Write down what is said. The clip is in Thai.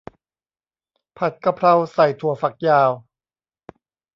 ผัดกะเพราใส่ถั่วฝักยาว